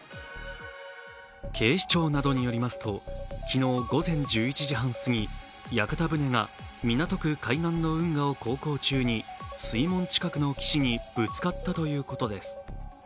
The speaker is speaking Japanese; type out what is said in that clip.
警視庁などによりますと、昨日午前１１時半すぎ、屋形船が港区海岸の運河を航行中に水門近くの岸にぶつかったとのことです。